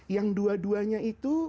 yang dua duanya itu